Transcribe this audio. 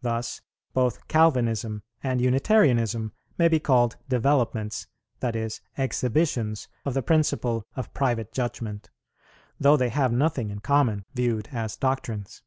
Thus both Calvinism and Unitarianism may be called developments, that is, exhibitions, of the principle of Private Judgment, though they have nothing in common, viewed as doctrines.